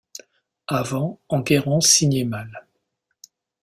Avant Enguerrand signait mal.